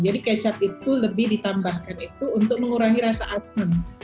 jadi kecap itu lebih ditambahkan itu untuk mengurangi rasa asam